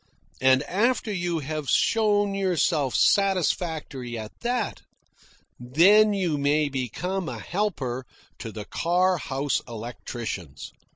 And after you have shown yourself satisfactory at that, then you may become a helper to the car house electricians."